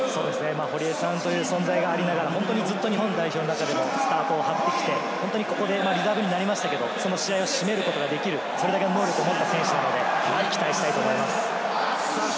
堀江さんの存在がありながら、ずっと日本代表の中でもここでリザーブになりましたが、試合を締めることができる、それだけの能力がある選手なので期待したいと思います。